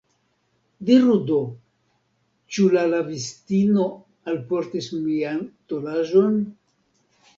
Diru do, ĉu la lavistino alportis mian tolaĵon?